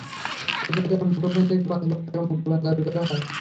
এরপর তাঁর মুঠোফোন থেকে পাঁচ লাখ টাকা মুক্তিপণ দাবি করা হয়।